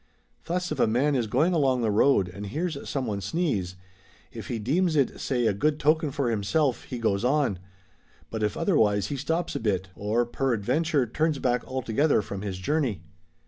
Thus if a man is going along the road and hears some one sneeze, if he deems it (say) a good token for himself he goes on, but if otherwise he stops a bit, or peradventure turns back altogether from his journey.'